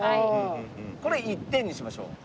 これ１点にしましょう。